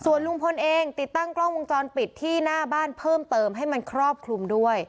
ส่วนลุงพลเองติดตั้งกล้องวงจรปิดที่หน้าบ้านเพิ่มเติมให้มันครอบคลุมด้วย